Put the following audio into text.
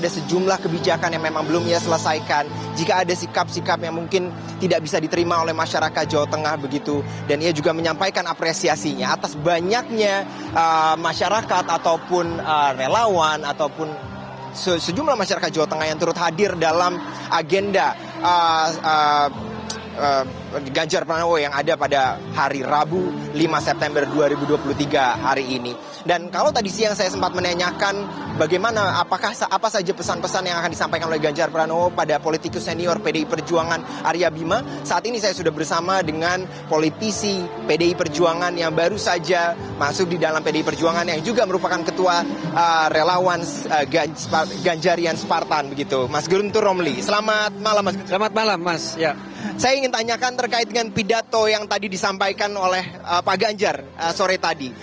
saya ingin tanyakan terkait dengan pidato yang tadi disampaikan oleh pak ganjar sore tadi